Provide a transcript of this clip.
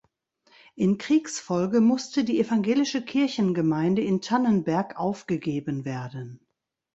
In Kriegsfolge musste die evangelische Kirchengemeinde in Tannenberg aufgegeben werden.